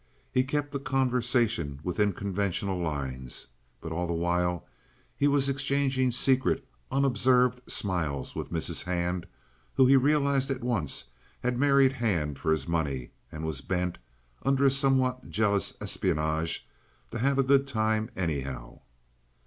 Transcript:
He kept the conversation within conventional lines; but all the while he was exchanging secret, unobserved smiles with Mrs. Hand, whom he realized at once had married Hand for his money, and was bent, under a somewhat jealous espionage, to have a good time anyhow.